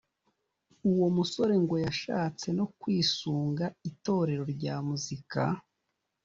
Uwo musore ngo yashatse no kwisunga itorero rya muzika